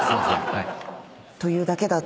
はい。